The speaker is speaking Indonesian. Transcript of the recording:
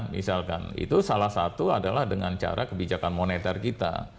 misalkan itu salah satu adalah dengan cara kebijakan moneter kita